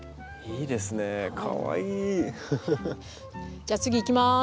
じゃあ次いきます。